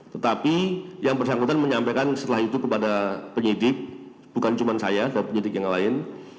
tetapi yang bersangkutan menyampaikan setelah itu kepada penyidik bukan cuma saya dan penyidik yang lain